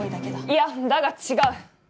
いやだが違う。